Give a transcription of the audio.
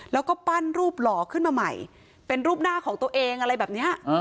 แล้วก็ปั้นรูปหล่อขึ้นมาใหม่เป็นรูปหน้าของตัวเองอะไรแบบนี้